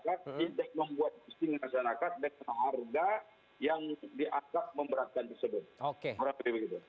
jadi membuat istimewa masyarakat dengan harga yang dianggap memberatkan tersebut